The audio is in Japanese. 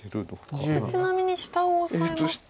これちなみに下をオサえますと。